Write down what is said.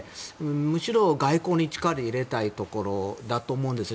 むしろ、外交に力を入れたいところだと思うんです。